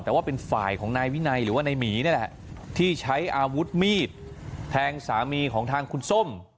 แต่ว่าเป็นฝ่ายของนายวินัยหรือว่านายหมีนี่แหละที่ใช้อาวุธมีดแทงสามีของทางคุณส้ม